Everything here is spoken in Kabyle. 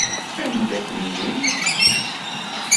Anda-t mmi-m?